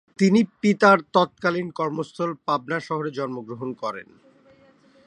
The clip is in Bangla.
তিনি পিতার তৎকালীন কর্মস্থল পাবনা শহরে জন্মগ্রহণ করেন।